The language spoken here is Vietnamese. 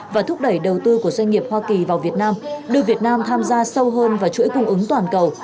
và thúc đẩy đầu tư của doanh nghiệp hoa kỳ vào việt nam đưa việt nam tham gia sâu hơn vào chuỗi cung ứng toàn cầu